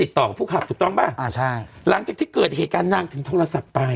ต่อกับผู้ขับถูกต้องป่ะอ่าใช่หลังจากที่เกิดเหตุการณ์นางถึงโทรศัพท์ไป